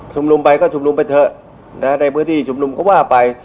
นุมไปก็ชุมนุมไปเถอะในพื้นที่ชุมนุมก็ว่าไป